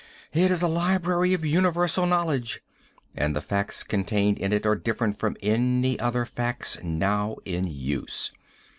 It is a library of universal knowledge, and the facts contained in it are different from any other facts now in use.